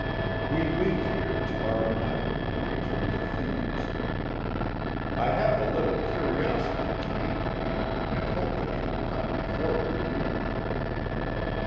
We leave here to morrow night, and return to Thebes. I have a little curiosity to meet the man, and hope that he will come before we leave.